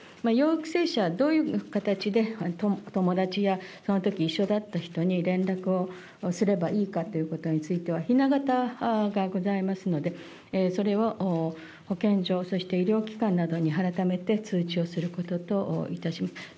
陽性者、どういう形で友達やそのとき一緒だった人に連絡をすればいいかということについては、ひな形がございますので、それを保健所、そして医療機関などに改めて通知をすることといたします。